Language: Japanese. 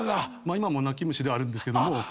今も泣き虫ではあるんですけど。